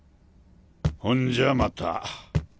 ほんじゃまた。